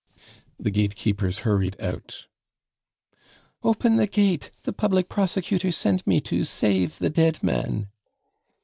The gatekeepers hurried out. "Open the gate the public prosecutor sent me to save the dead man!